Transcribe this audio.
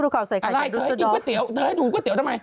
อะไรเธอให้กินก๋วยเตี๋ยวเธอให้ดูก๋วเตี๋ยทำไม